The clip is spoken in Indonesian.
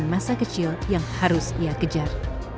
masa kecil yang harus ia kejar